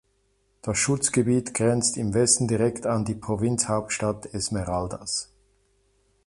Das Schutzgebiet grenzt im Westen direkt an die Provinzhauptstadt Esmeraldas.